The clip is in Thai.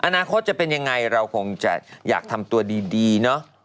อนาคตจะเป็นยังไงเราคงจะอยากทำตัวดีเนอะ